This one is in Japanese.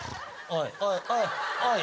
はいはいはいはい。